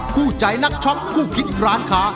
คู่ใจนักช็อคคู่คิดร้านค้า